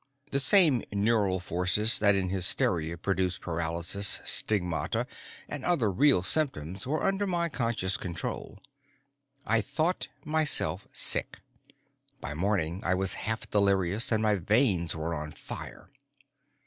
The same neural forces that in hysteria produce paralysis, stigmata, and other real symptoms were under my conscious control. I thought myself sick. By morning I was half delirious and my veins were on fire.